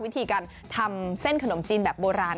วิธีการทำเส้นขนมจีนแบบโบราณ